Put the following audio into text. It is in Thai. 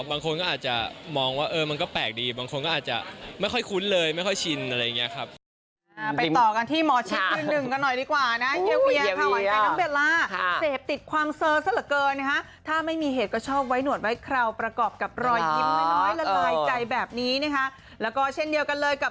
บางคนก็อาจจะมองว่ามันก็แปลกดีบางคนก็อาจจะไม่ค่อยคุ้นเลยไม่ค่อยชินอะไรอย่างนี้ครับ